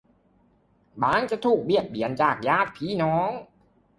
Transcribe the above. บ้างจะถูกเบียดเบียนจากญาติพี่น้อง